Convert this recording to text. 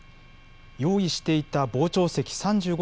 用意していた傍聴席３５